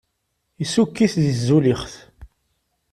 Issukk-it di tzulixt.